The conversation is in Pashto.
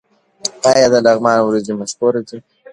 آیا د لغمان وریجې مشهورې دي؟